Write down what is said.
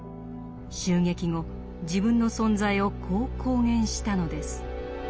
襲撃後自分の存在をこう公言したのです。